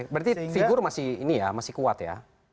berarti figur masih ini ya masih kuat ya